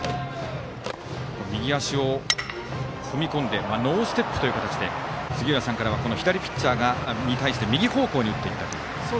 右足を踏み込んでノーステップという形で杉浦さんからは左ピッチャーに対して右方向に打っていったという。